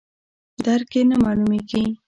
درک یې نه معلومیږي.